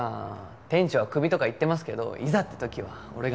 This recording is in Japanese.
店長はクビとか言ってますけどいざって時は俺が。